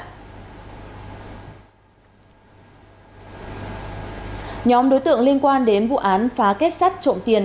nhóm đối tượng liên quan đến vụ án phá kết sắt trộm tiền